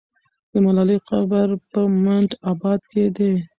د ملالۍ قبر په منډآباد کې دی.